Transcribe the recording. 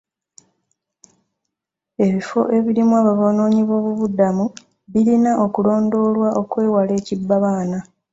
Ebifo ebirimu abanoonyiboobubudamu birina okulondoolwa okwewala ekibbabaana.